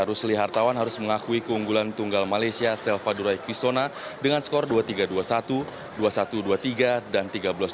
rusli hartawan harus mengakui keunggulan tunggal malaysia selva durai kisona dengan skor dua puluh tiga dua puluh satu dua puluh satu dua puluh tiga dan tiga belas dua puluh